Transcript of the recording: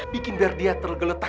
bikin biar dia tergeletak